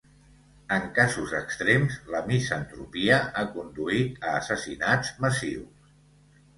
En casos extrems, la misantropia ha conduït a assassinats massius.